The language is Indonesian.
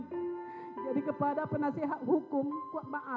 jadi kepada penasehat hukum